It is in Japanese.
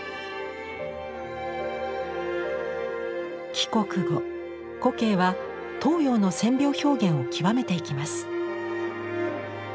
帰国後古径は東洋の線描表現をきわめていきます。